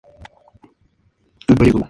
El proyecto se detuvo.